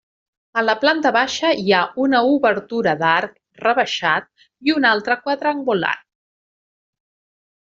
A la planta baixa hi ha una obertura d'arc rebaixat i una altra quadrangular.